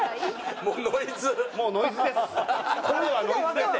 もうノイズです。